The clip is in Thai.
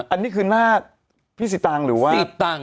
อันนี้คือหน้าพี่สิตังค์หรือว่า